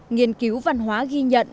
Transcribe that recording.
nghiên cứu văn hóa ghi nhận